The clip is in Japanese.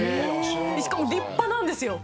しかも立派なんですよ。